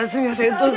どうぞ！